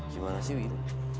gimana sih wil